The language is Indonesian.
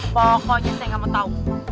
pokoknya saya gak mau tau